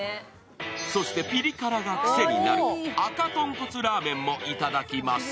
そしてピリ辛が癖になる赤とんこつラーメンもいただきます。